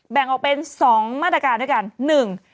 แบ่งเอาเป็น๒มาตรการด้วยกัน